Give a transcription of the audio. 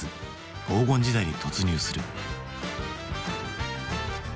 黄金時代に突入する。